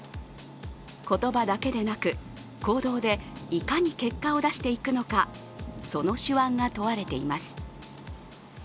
言葉だけでなく、行動でいかに結果を出していくのか、その手腕が問われています。